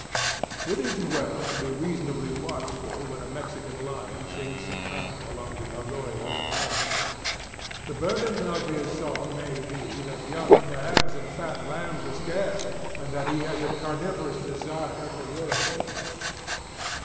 It is well to be reasonably watchful when a Mexican lion sings soprano along the arroyos at sundown. The burden of his song may be that young calves and fat lambs are scarce, and that he has a carnivorous desire for your acquaintance.